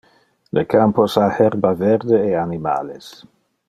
Le campos ha herba verde e animales.